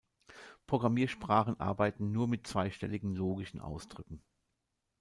Programmiersprachen arbeiten nur mit zweistelligen logischen Ausdrücken.